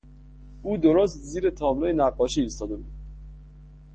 او درست زیر تابلو نقاشی ایستاده بود.